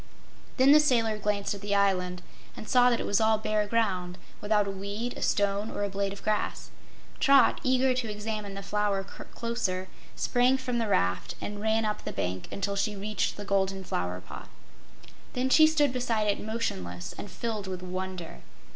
Then the sailor glanced at the island and saw that it was all bare ground, without a weed, a stone or a blade of grass. Trot, eager to examine the Flower closer, sprang from the raft and ran up the bank until she reached the Golden Flower pot. Then she stood beside it motionless and filled with wonder.